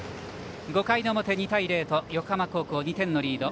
５回の表、２対０と横浜高校、２点のリード。